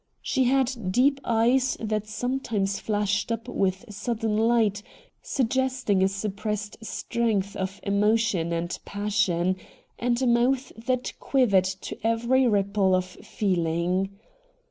She had deep eyes that sometimes Hashed up with sudden light, suggesting a suppressed strength of emotion and passion, and a mouth that quivered to every ripple of feeling.